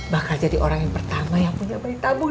bakal jadi orang yang pertama yang punya bayi tabung